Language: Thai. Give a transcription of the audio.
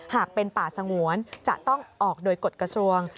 หากเป็นป่าสงวนจะต้องออกโดยกฎกระทรวง